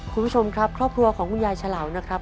คุณผู้ชมครับครอบครัวของคุณยายฉลาวนะครับ